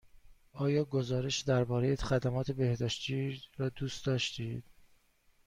آیا گزارش درباره خدمات بهداشتی را دوست داشتید؟